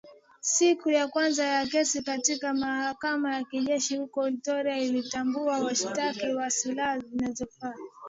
Siku ya kwanza ya kesi katika mahakama ya kijeshi huko Ituri iliwatambua washtakiwa na silaha zilizonaswa